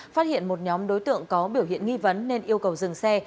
phát hiện một nhóm đối tượng có biểu hiện nghi vấn nên yêu cầu dừng xe